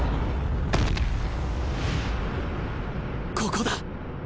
ここだ！